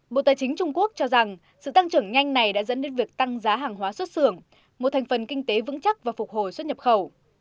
bộ tài chính trung quốc cho rằng sự tăng trưởng nhanh này đã dẫn đến việc tăng giá hàng hóa xuất xưởng một thành phần kinh tế vững chắc và phục hồi xuất nhập khẩu